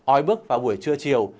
ói bức vào buổi trưa chiều